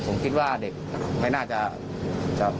ก็ได้พลังเท่าไหร่ครับ